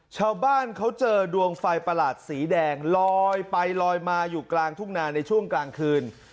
ชาวบ้านเขาเจอดวงไฟประหลาดสีแดงลอยไปลอยมาอยู่กลางทุ่งนาในช่วงกลางคืน